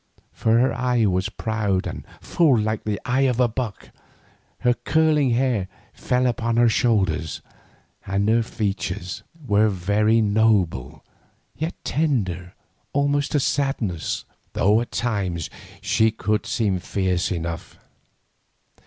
For her eye was proud and full like the eye of a buck, her curling hair fell upon her shoulders, and her features were very noble, yet tender almost to sadness, though at times she could seem fierce enough.